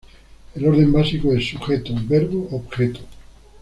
El orden básico es Sujeto Verbo Objeto.